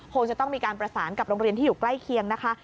คงจะต้องมีการประสานกับโรงเรียนที่อยู่ใกล้เคียงนะคะ